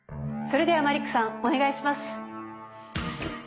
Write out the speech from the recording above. それではマリックさんお願いします。